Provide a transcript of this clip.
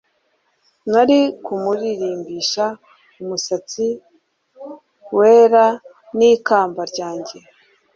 nari kumurimbisha umusatsi we wera n'ikamba ryanjye